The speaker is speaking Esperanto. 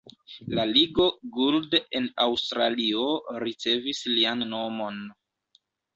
La Ligo Gould en Aŭstralio ricevis lian nomon.